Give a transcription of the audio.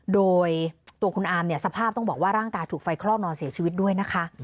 โดยตัวคุณอามเนี่ยสภาพต้องบอกว่าร่างกายถูกไฟคลอกนอนเสียชีวิตด้วยนะคะ